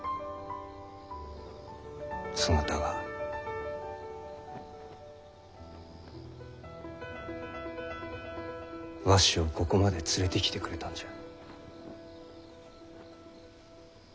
そなたがわしをここまで連れてきてくれたんじゃ。